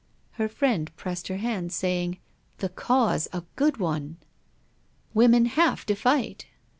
Her friend pressed her hand, saying, 'The cause a good one!' 'Women have to fight.'